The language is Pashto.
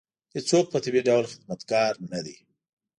هېڅوک په طبیعي ډول خدمتګار نه دی.